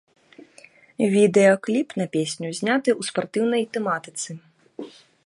Відэакліп на песню зняты ў спартыўнай тэматыцы.